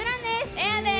エアです。